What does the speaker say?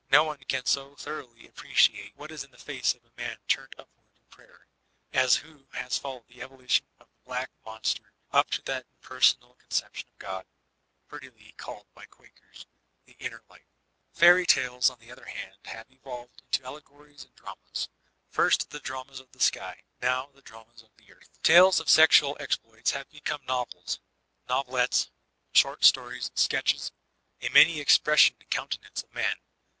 No one can so thoroughly appreciate what is in the face of a man turned upward in prayer, as he who has followed the evolution of the black Monster op to that impersonal conception of God prettily called by Quakers ''the Inner Light/' Fairy Tales on the other hand have evolved into al legories and Dramas, — first the dramas of the sky, now the dramas of earth. Tales of Sexual exploits have become novels, novd ettes, short stories, sketches, — a many expressioned coon tenance of Man.